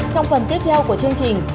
trong phần tiếp theo của chương trình